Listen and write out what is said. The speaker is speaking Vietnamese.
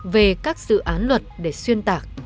về các dự án luật để xuyên tạc